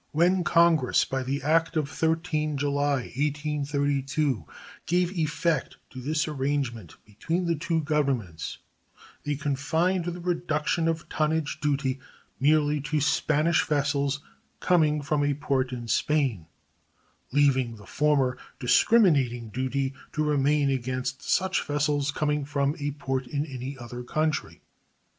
When Congress, by the act of 13th July, 1832, gave effect to this arrangement between the two Governments, they confined the reduction of tonnage duty merely to Spanish vessels "coming from a port in Spain," leaving the former discriminating duty to remain against such vessels coming from a port in any other country.